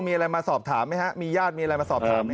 มีอะไรมาสอบถามไหมฮะมีญาติมีอะไรมาสอบถามไหม